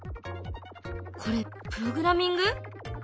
これプログラミング？